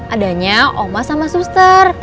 adanya oma sama suster